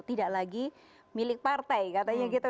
tidak lagi milik partai katanya gitu